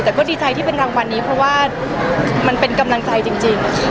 แต่ก็ดีใจที่เป็นรางวัลนี้เพราะว่ามันเป็นกำลังใจจริง